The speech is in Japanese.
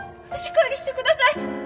しっかりしてください！